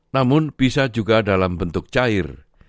namun bisa juga dalam bentuk cair